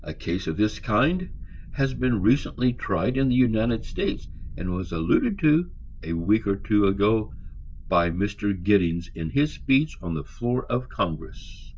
A case of this kind has been recently tried in the United States, and was alluded to, a week or two ago, by Mr. Giddings, in his speech on the floor of Congress.